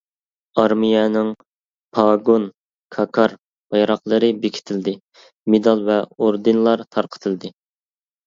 ئارمىيەنىڭ پاگون، كاكار، بايراقلىرى بېكىتىلدى، مېدال ۋە ئوردېنلار تارقىتىلدى.